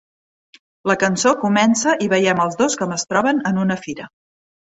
La cançó comença i veiem els dos com es troben en una fira.